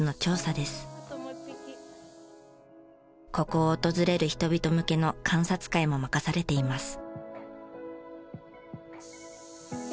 ここを訪れる人々向けの観察会も任されています。